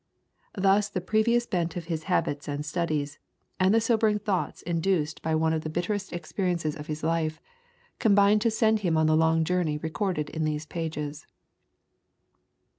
Thus the previous bent of his habits and studies, and the sobering thoughts induced by one of the [ xv ] Introduction bitterest experiences of his life, combined to send him on the long journey recorded in these pages.